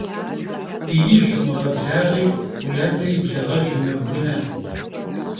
Biij vumığeblaği, vui ade yi blağej vumıbgıne.